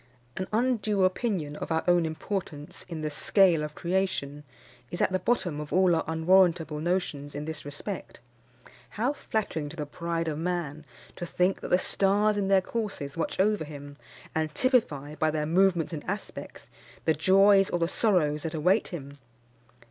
An undue opinion of our own importance in the scale of creation is at the bottom of all our unwarrantable notions in this respect. How flattering to the pride of man to think that the stars in their courses watch over him, and typify, by their movements and aspects, the joys or the sorrows that await him!